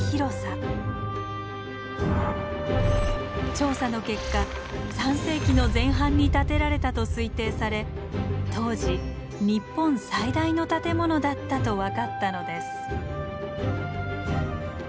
調査の結果３世紀の前半に建てられたと推定され当時日本最大の建物だったと分かったのです。